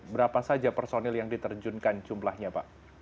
berapa saja personil yang diterjunkan jumlahnya pak